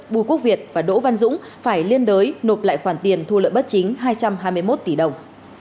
bùi quốc việt và đỗ văn dũng phải liên đối nộp lại khoản tiền thu lợi bất chính hai trăm hai mươi một tỷ đồng